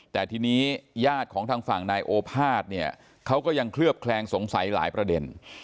แต่ทีนี้ญาติของทางฝั่งนายโอภาษย์เนี่ยเขาก็ยังเคลือบแคลงสงสัยหลายประเด็น